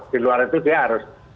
di luar itu dia harus